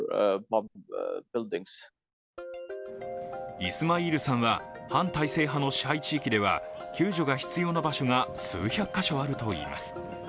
イスマイールさんは、反体制派の支配地域では救助が必要な場所が数百か所あるといいます。